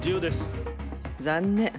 残念。